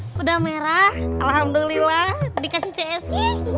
kuda merah alhamdulillah dikasih cee esy